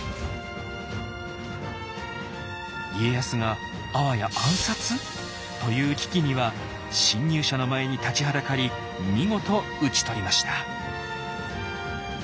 家康があわや暗殺！？という危機には侵入者の前に立ちはだかり見事討ち取りました。